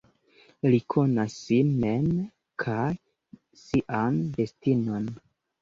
Li konas sin mem kaj sian destinon.